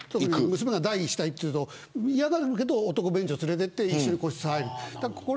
娘が大したいというと嫌がるけど男便所に連れていって一緒に個室に入る。